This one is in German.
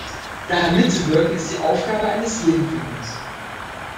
Daran mitzuwirken, ist die Aufgabe eines jeden von uns.